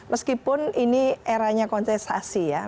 meskipun ini eranya kontestasi ya